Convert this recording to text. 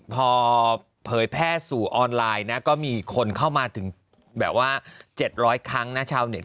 พอเผยแพร่สู่ออนไลน์นะก็มีคนเข้ามาถึงแบบว่า๗๐๐ครั้งนะชาวเน็ต